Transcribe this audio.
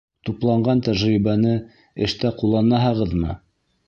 — Тупланған тәжрибәне эштә ҡулланаһығыҙмы?